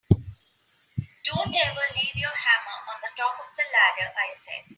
Don’t ever leave your hammer on the top of the ladder, I said.